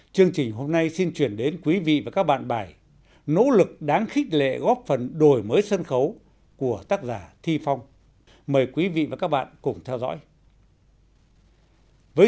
chương trình hôm nay xin chuyển đến quý vị và các bạn bài nỗ lực đáng khích lệ góp phần đổi mới sân khấu của tác giả thi phong mời quý vị và các bạn cùng theo dõi